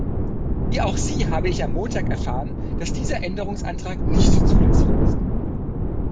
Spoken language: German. Wie auch Sie habe ich am Montag erfahren, dass dieser Änderungsantrag nicht zulässig ist.